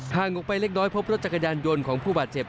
ออกไปเล็กน้อยพบรถจักรยานยนต์ของผู้บาดเจ็บ